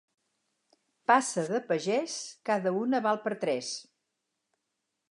Passa de pagès, cada una val per tres.